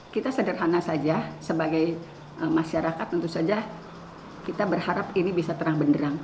kita sederhana saja sebagai masyarakat tentu saja kita berharap ini bisa terang benderang